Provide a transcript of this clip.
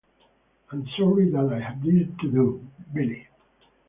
I'm sorry that I have this to do, Billy.